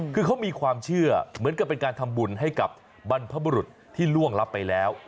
คือเขามีความเชื่อเหมือนกับเป็นการทำบุญให้กับบรรพบุรุษที่ล่วงลับไปแล้ว